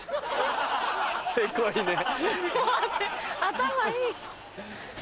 頭いい。